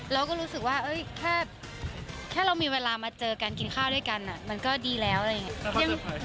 เราก็รู้สึกว่าแค่เรามีเวลามาเจอกันกินข้าวด้วยกันมันก็ดีแล้วอะไรอย่างนี้